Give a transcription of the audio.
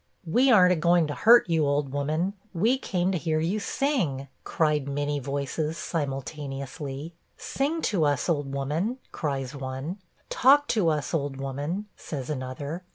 'We ar'n't a going to hurt you, old woman; we came to hear you sing,' cried many voices, simultaneously. 'Sing to us, old woman,' cries one. 'Talk to us, old woman,' says another.